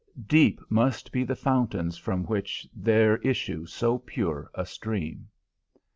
Deep must be the fountains from which there issues so pure a stream.